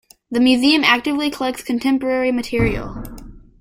The museum actively collects contemporary material.